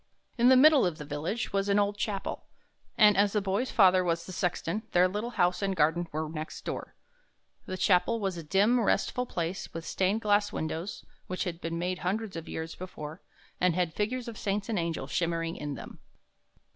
In the middle of the village was an old chapel, and as the boy's father was the sexton, their little house and garden were next door. The chapel was a dim, restful place, with stained glass 48 THE HUNT FOR THE BEAUTIFUL windows, which had been made hundreds of years before, and had figures of saints and angels shimmering in them.